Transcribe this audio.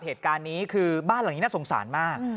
เหตุการณ์นี้คือบ้านหลังนี้น่าสงสารมาก